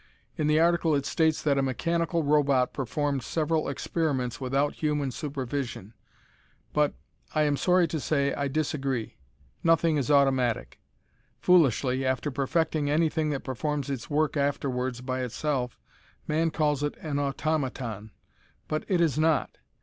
In the article it states that a mechanical robot performed several experiments without human supervision. But, I am sorry to say, I disagree. Nothing is automatic. Foolishly, after perfecting anything that performs its work afterwards by itself, man calls it an automaton. But it is not!